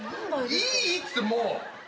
いいってもう。